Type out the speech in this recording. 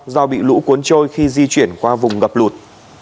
do bị lũ cuốn trôi khi di chuyển qua vùng ngập lụt